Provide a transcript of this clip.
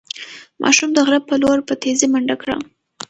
ماشوم د غره په لور په تېزۍ منډه کړه.